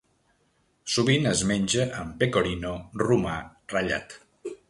Sovint es menja amb pecorino romà ratllat.